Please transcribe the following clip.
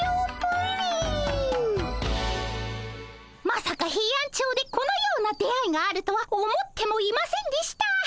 まさかヘイアンチョウでこのような出会いがあるとは思ってもいませんでした。